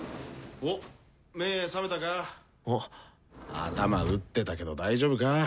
頭打ってたけど大丈夫か？